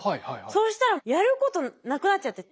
そうしたらやることなくなっちゃって。